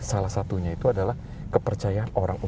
salah satunya itu adalah kepercayaan orang orang